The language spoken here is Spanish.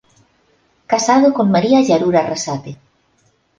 Casado con María Yarur Arrasate.